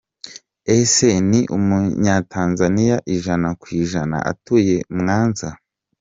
Ise ni umunyatanzaniya ijana ku ijana atuye Mwanza.